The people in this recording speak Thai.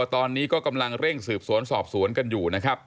ตอนนี้ก็กำลังเร่งสืบสวนสอบสวนกันอยู่นะครับ